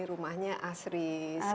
rumahnya asri sekali